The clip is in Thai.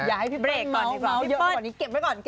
อย่าให้มีเมริกก่อน